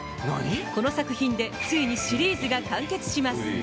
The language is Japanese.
この作品でついにシリーズが完結します。